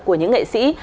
của những nghệ sĩ